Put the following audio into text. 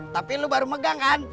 tapi lu baru megang kan